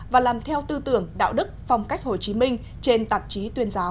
và làm theo tư tưởng đạo đức phong cách hồ chí minh trên tạp chí tuyên giáo